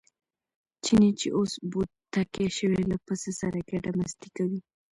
چیني چې اوس بوتکی شوی له پسه سره ګډه مستي کوي.